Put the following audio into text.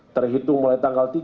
terhitung mulai tanggal